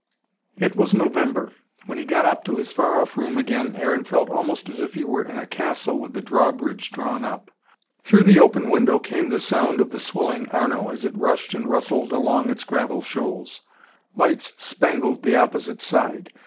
It was November. When he got up to his far off room again, Aaron felt almost as if he were in a castle with the drawbridge drawn up. Through the open window came the sound of the swelling Arno, as it rushed and rustled along over its gravel shoals. Lights spangled the opposite side.